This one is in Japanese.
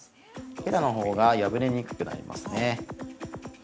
ヘラのほうが破れにくくなりますね。